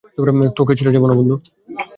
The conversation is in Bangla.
তোকে ছেড়ে যাব না, বন্ধু!